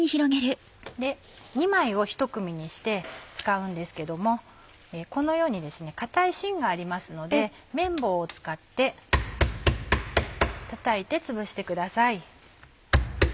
２枚をひと組にして使うんですけどもこのようにですね硬いしんがありますので麺棒を使ってたたいてつぶしてください。